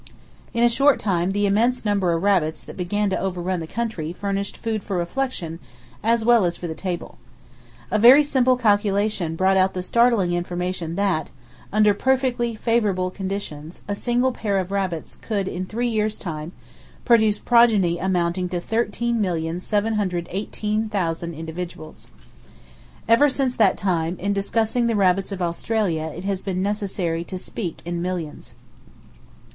In a short time, the immense number of rabbits that began to overrun the country furnished food for reflection, as well as for the table. A very simple calculation brought out the startling information that, under perfectly favorable conditions, a single pair of rabbits could in three years' time produce progeny amounting to 13,718,000 individuals. Ever since that time, in discussing the rabbits of Australia it has been necessary to speak in millions.